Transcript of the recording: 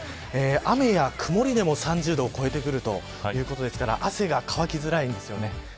雨や曇りでも３０度を超えてくるということですから汗が乾きづらいです。